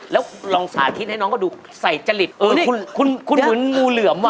แล้วลองสาธิตให้น้องก็ดูใส่จริตเออคุณคุณเหมือนงูเหลือมว่